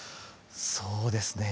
そうですね